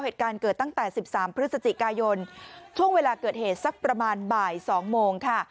เหตุการณ์เกิดตั้งแต่๑๓พฤศจิกายนช่วงเวลาเกิดเหตุสักประมาณบ่าย๒โมงค่ะ